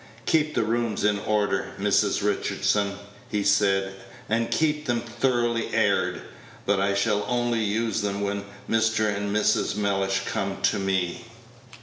"Keep the rooms in order, Mrs. Richardson," he said, "and keep them thoroughly aired; but I shall only use them when Mr. and Mrs. Mellish come to me."